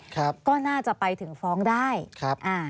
ครับก็น่าจะไปถึงฟ้องได้ครับอ่า